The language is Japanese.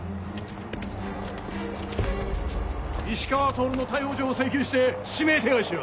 石川透の逮捕状を請求して指名手配しろ。